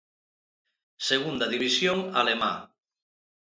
Segunda División alemá.